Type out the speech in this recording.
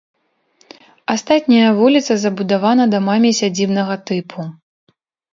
Астатняя вуліца забудавана дамамі сядзібнага тыпу.